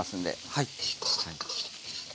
はい。